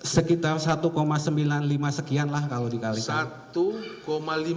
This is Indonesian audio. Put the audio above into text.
sekitar satu sembilan puluh lima sekian lah kalau dikali satu lima